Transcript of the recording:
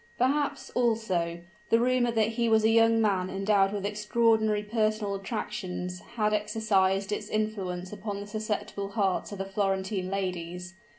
Perhaps, also, the rumor that he was a young man endowed with extraordinary personal attractions, had exercised its influence upon the susceptible hearts of the Florentine ladies.